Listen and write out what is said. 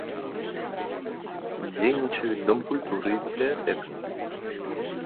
Дзейнічаюць дом культуры і бібліятэка.